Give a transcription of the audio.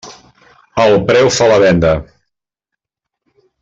El preu fa la venda.